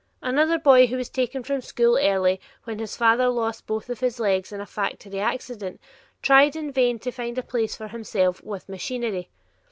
Another boy who was taken from school early, when his father lost both of his legs in a factory accident, tried in vain to find a place for himself "with machinery."